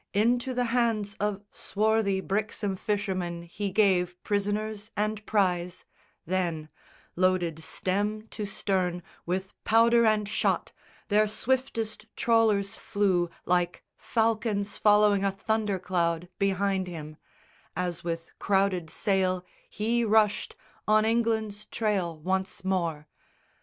Into the hands Of swarthy Brixham fishermen he gave Prisoners and prize, then loaded stem to stern With powder and shot their swiftest trawlers flew Like falcons following a thunder cloud Behind him, as with crowded sail he rushed On England's trail once more.